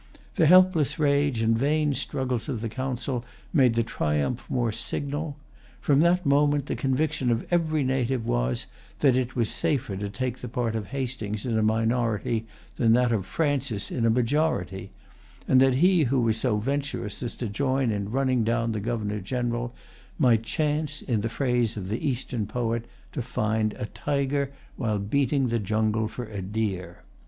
The helpless rage and vain struggles of the Council made the triumph more signal. From that moment the conviction of every native was that it was safer to take the part of Hastings in a minority than that of Francis in a majority, and that he who was so venturous as to join in running down the Governor General might chance, in the phrase of the Eastern poet, to find a tiger, while beating the jungle for a deer.